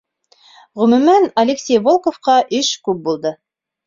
Ғөмүмән, Алексей Волковҡа эш күп булды.